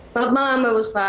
selamat malam mbak buspa